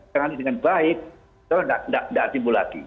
tangani dengan baik itu tidak timbul lagi